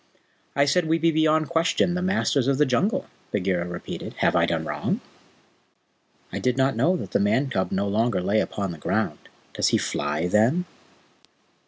"I said we be beyond question the Masters of the Jungle," Bagheera repeated. "Have I done wrong? I did not know that the Man cub no longer lay upon the ground. Does he fly, then?"